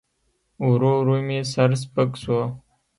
ورو ورو مې سر سپک سو.